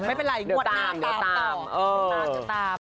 ไม่เป็นไรวัดหน้าตามต่อ